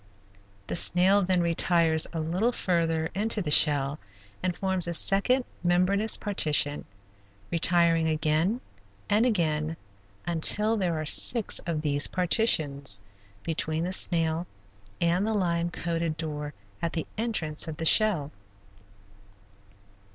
The snail then retires a little further into the shell and forms a second membranous partition, retiring again and again until there are six of these partitions between the snail and the lime coated door at the entrance of the shell.